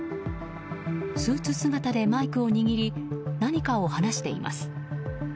スーツ姿でマイクを握り何かを話しています。